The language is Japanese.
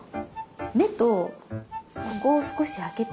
目とここを少しあけて。